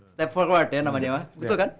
step forward ya namanya betul kan